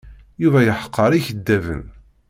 Yuba yeḥqer ikeddaben.